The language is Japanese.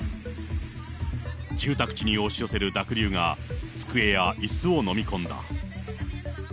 住宅地に押し寄せる濁流が、机やいすを飲み込んだ。